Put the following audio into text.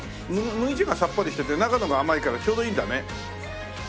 さっぱりしてて中のが甘いからちょうどいいんだね。